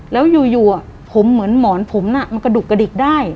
แล้วอยู่ผมเหมือนหมอนผมน่ะมันกระดุกกระดิกได้